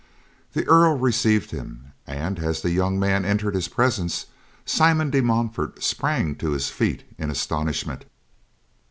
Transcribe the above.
The Earl received him, and as the young man entered his presence, Simon de Montfort sprang to his feet in astonishment.